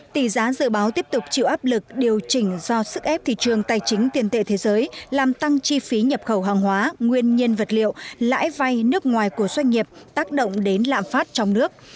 tỷ giá dự báo tiếp tục chịu áp lực điều chỉnh do sức ép thị trường tài chính tiền tệ thế giới làm tăng chi phí nhập khẩu hàng hóa nguyên nhân vật liệu lãi vay nước ngoài của doanh nghiệp tác động đến lạm phát trong nước